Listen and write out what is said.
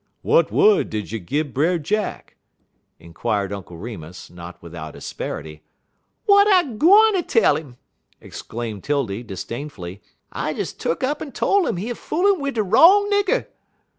"W'at wud did you gin Brer Jack?" inquired Uncle Remus, not without asperity. "W'at I gwine tell him?" exclaimed 'Tildy disdainfully. "I des tuck'n up en tole 'im he foolin' wid de wrong nigger."